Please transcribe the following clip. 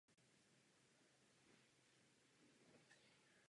Cílem skupiny je odtržení Albánci osídlených oblastí od Severní Makedonie.